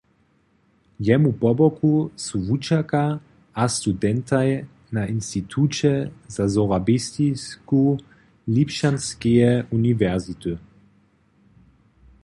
Jemu poboku su wučerka a studentaj na Instituće za sorabistiku Lipšćanskeje uniwersity.